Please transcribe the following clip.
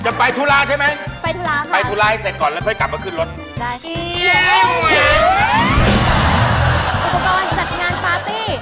จะไปทุลาใช่ไหมไปทุลาค่ะไปทุลาให้เสร็จก่อนแล้วก็กลับมาขึ้นลได้